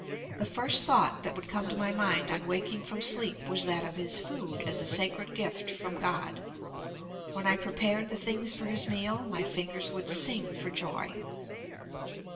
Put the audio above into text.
The first thought that would come to my mind on waking from sleep was that of his food as a sacred gift from God. When I prepared the things for his meal, my fingers would sing for joy.